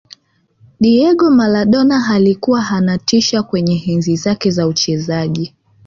diego maradona alikuwa anatisha kwenye enzi zake za uchezaji